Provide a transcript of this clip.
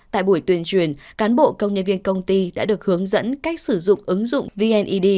tại buổi tuyên truyền cán bộ công nhân viên công ty đã được hướng dẫn cách sử dụng ứng dụng vneid